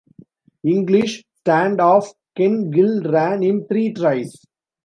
English stand-off Ken Gill ran in three tries.